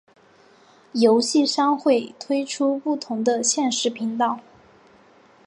游戏商会推出不同的限时频道。